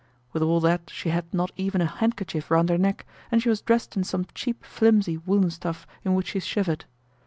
With all that she had not even a handkerchief round her neck and she was dressed in some cheap flimsy woolen stuff in which she shivered.